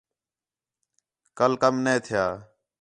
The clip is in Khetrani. کل کَم نے تِھیا